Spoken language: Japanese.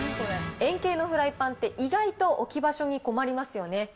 円形のフライパンって、意外と置き場所に困りますよね。